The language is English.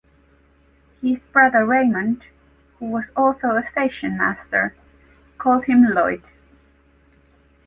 His brother Raymond, who was also a station master, called him Lloyd.